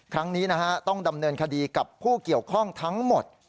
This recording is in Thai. ครั้งนี้ต้องดำเนินคดีกับผู้เกี่ยวข้องทั้งหมด